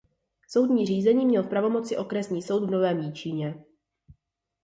Soudní řízení měl v pravomoci Okresní soud v Novém Jičíně.